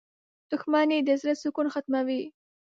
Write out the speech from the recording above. • دښمني د زړۀ سکون ختموي.